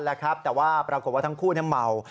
แต่ปรากฏว่าทั้งคู่เมา